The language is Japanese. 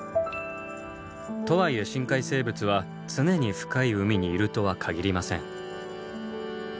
とはいえ深海生物は常に深い海にいるとは限りません。